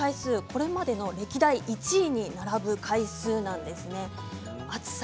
これまでの歴代１位に並ぶ回数なんです。